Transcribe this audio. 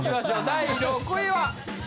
第６位は！